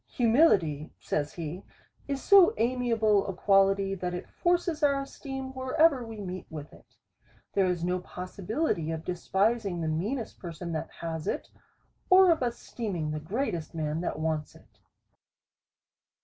Humility, says he, is so amiable a quality, that it forces our esteem wherever we meet with it. There is no possibility of despising the meanest person that has it, or of esteeming the greatest man that wants it.